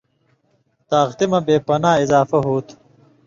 طاقتی مہ بے پناہ اضافہ ہوتُھو۔